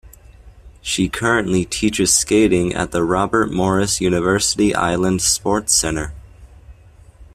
She currently teaches skating at the Robert Morris University Island Sports Center.